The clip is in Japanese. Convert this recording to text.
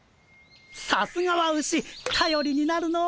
さすがはウシたよりになるの。